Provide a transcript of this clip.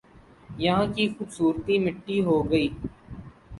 یہاں کی خوبصورتی مٹی ہو گئی